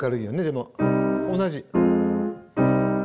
でも同じ。